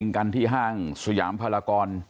กันที่ห้างสยามพลากร